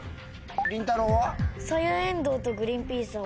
りんたろうは？